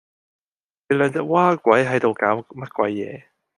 你兩隻嘩鬼係度搞乜鬼野